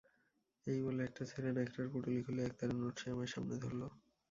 এই বলে একটা ছেঁড়া ন্যাকড়ার পুঁটুলি খুলে একতাড়া নোট সে আমার সামনে ধরলে।